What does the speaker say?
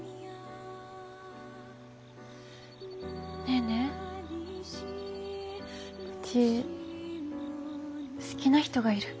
ネーネーうち好きな人がいる。